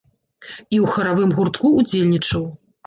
І ў харавым гуртку ўдзельнічаў.